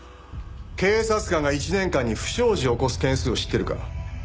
警察官が１年間に不祥事を起こす件数を知ってるか？